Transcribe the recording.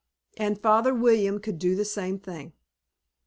And Father William could do the same thing.